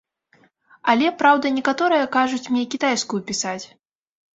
Але, праўда, некаторыя кажуць мне кітайскую пісаць.